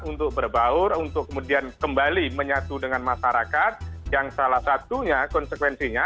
untuk berbaur untuk kemudian kembali menyatu dengan masyarakat yang salah satunya konsekuensinya